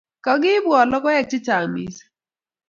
Kakiipwon logoek chechang' missing'